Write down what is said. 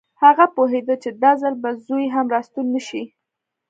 هغه پوهېده چې دا ځل به زوی هم راستون نه شي